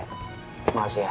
terima kasih ya